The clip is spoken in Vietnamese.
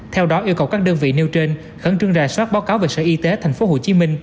theo đó yêu cầu các đơn vị nêu trên khẩn trương rà soát báo cáo về sở y tế tp hcm